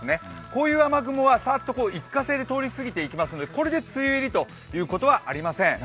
こういう雨雲はさーっと一過性で通り過ぎていきますのでこれで梅雨入りということはありません。